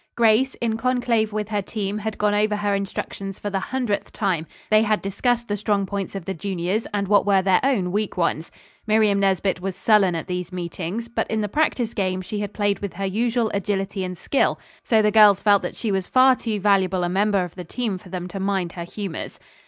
Grace, in conclave with her team, had gone over her instructions for the hundredth time. They had discussed the strong points of the juniors and what were their own weak ones. Miriam Nesbit was sullen at these meetings; but in the practice game she had played with her usual agility and skill, so the girls felt that she was far too valuable a member of the team for them to mind her humors.